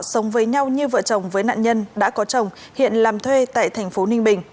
sống với nhau như vợ chồng với nạn nhân đã có chồng hiện làm thuê tại tp ninh bình